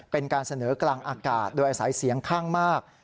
เป็นการเสนอกลางอากาศโดยอาศัยเสียงข้างมาก